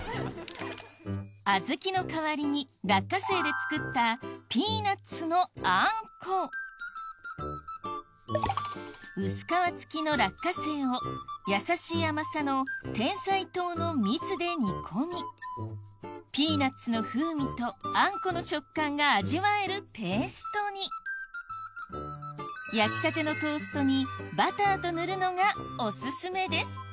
小豆の代わりに落花生で作った薄皮付きの落花生をやさしい甘さのてんさい糖の蜜で煮込みピーナッツの風味とあんこの食感が味わえるペーストに焼きたてのトーストにバターと塗るのがオススメです